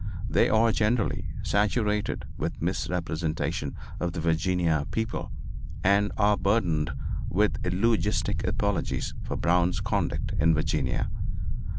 They are, generally, saturated with misrepresentation of the Virginia people and are burdened with eulogistic apologies for Brown's conduct in Virginia.